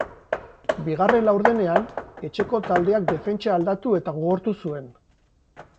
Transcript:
Bigarren laurdenean, etxeko taldeak defentsa aldatu eta gogortu zuen.